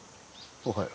おはよう。